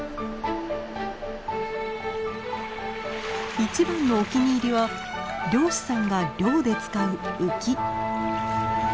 一番のお気に入りは漁師さんが漁で使うウキ。